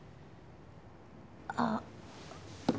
あっ。